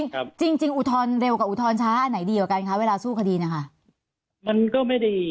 ค่ะจริงจริงอุทธรณ์เร็วกับอุทธรณ์ช้าไหนดีกว่ากันคะเวลาสู้คดีเนี่ยค่ะ